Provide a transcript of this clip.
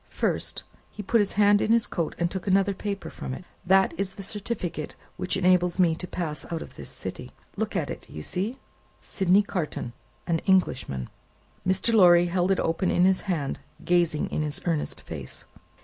First," he put his hand in his coat, and took another paper from it, "that is the certificate which enables me to pass out of this city. Look at it. You see Sydney Carton, an Englishman?" Mr. Lorry held it open in his hand, gazing in his earnest face.